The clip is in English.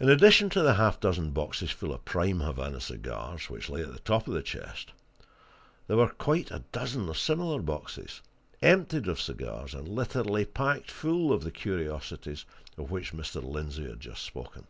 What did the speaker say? In addition to the half dozen boxes full of prime Havana cigars, which lay at the top of the chest, there were quite a dozen of similar boxes, emptied of cigars and literally packed full of the curiosities of which Mr. Lindsey had just spoken.